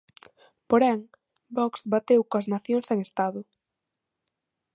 Porén, Vox bateu coas nacións sen Estado.